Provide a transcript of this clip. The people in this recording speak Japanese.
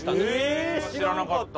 え知らなかった。